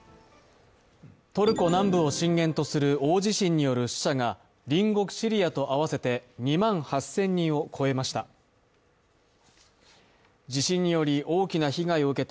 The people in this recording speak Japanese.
トルコ南部を震源とする大地震による死者が隣国シリアと合わせて２万８０００人を超えました。